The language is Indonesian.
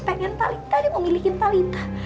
pengen talitha dia mau miliki talitha